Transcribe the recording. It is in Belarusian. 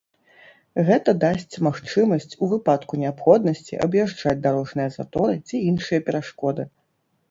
Гэта дасць магчымасць у выпадку неабходнасці аб'язджаць дарожныя заторы ці іншыя перашкоды.